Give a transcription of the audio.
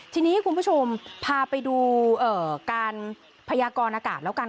ทีนี้คุณผู้ชมพาไปดูการพยากรอากาศแล้วกัน